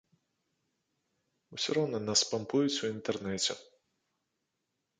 Усё роўна нас спампуюць у інтэрнэце.